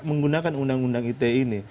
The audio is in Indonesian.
menggunakan undang undang ite ini